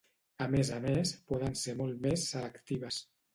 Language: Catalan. A més a més poden ser molt més selectives.